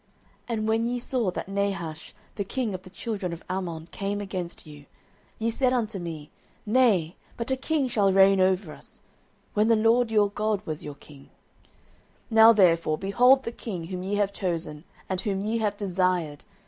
09:012:012 And when ye saw that Nahash the king of the children of Ammon came against you, ye said unto me, Nay; but a king shall reign over us: when the LORD your God was your king. 09:012:013 Now therefore behold the king whom ye have chosen, and whom ye have desired!